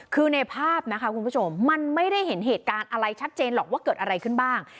คือในภาพนะคะคุณผู้ชมมันไม่ได้เห็นเหตุการณ์อะไรชัดเจนหรอกว่าเกิดอะไรขึ้นบ้าง